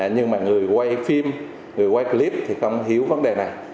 nhưng mà người quay phim người quay clip thì không hiểu vấn đề này